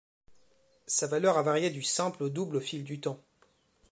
Sa valeur a varié du simple au double au fil du temps.